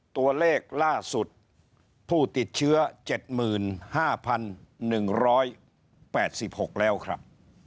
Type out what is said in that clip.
ตัวเลขล่าสุดผู้ติดเชื้อ๗๕๑๘๖แล้วครับ